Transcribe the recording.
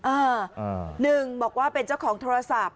อ่าหนึ่งบอกว่าเป็นเจ้าของโทรศัพท์